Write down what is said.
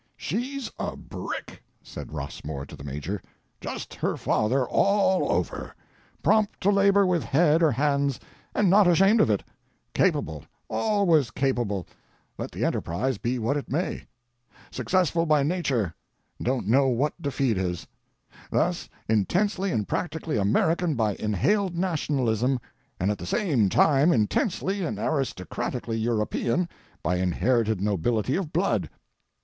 "She's a brick," said Rossmore to the Major; "just her father all over: prompt to labor with head or hands, and not ashamed of it; capable, always capable, let the enterprise be what it may; successful by nature—don't know what defeat is; thus, intensely and practically American by inhaled nationalism, and at the same time intensely and aristocratically European by inherited nobility of blood.